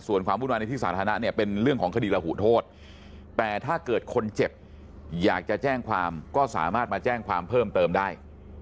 ส่วนความวุ่นวายในที่สาธารณะเนี่ยเป็นเรื่องของคดีระหูโทษแต่ถ้าเกิดคนเจ็บอยากจะแจ้งความก็สามารถมาแจ้งความเพิ่มเติมได้